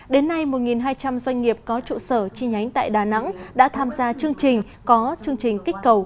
đến nay một hai trăm linh doanh nghiệp có trụ sở chi nhánh tại đà nẵng đã tham gia chương trình có chương trình kích cầu